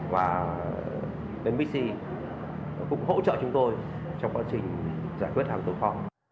và bixi cũng hỗ trợ chúng tôi trong quá trình giải quyết hàng tổn thống